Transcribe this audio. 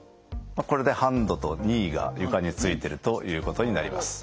これでハンドとニーが床に着いているということになります。